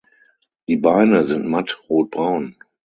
Die Beine sind matt rotbraun.